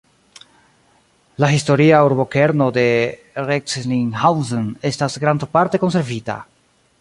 La historia urbokerno de Recklinghausen estas grandparte konservita.